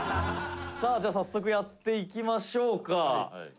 「さあじゃあ早速やっていきましょうか」